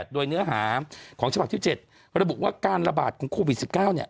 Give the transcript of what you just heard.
โดยเนื้อหาของฉบับที่๗ระบุว่าการระบาดของโควิด๑๙